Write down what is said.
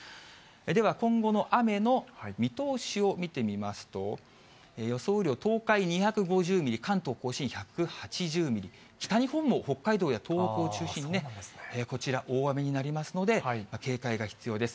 では今後の雨の見通しを見てみますと、予想雨量、東海２５０ミリ、関東甲信１８０ミリ、北日本も北海道や東北を中心にね、こちら、大雨になりますので、警戒が必要です。